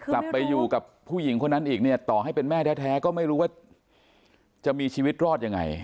กลับไปอยู่กับผู้หญิงคนนั้นอีกเนี่ยต่อให้เป็นแม่แท้ก็ไม่รู้ว่าจะมีชีวิตรอดยังไง